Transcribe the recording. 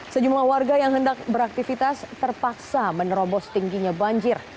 sejumlah warga yang hendak beraktivitas terpaksa menerobos tingginya banjir